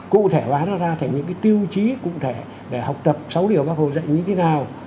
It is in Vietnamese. cụ thể hóa nó ra thành những tiêu chí cụ thể để học tập sáu điều bác hồ dạy như thế nào